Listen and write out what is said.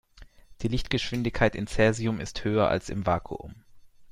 Die Lichtgeschwindigkeit in Cäsium ist höher als im Vakuum.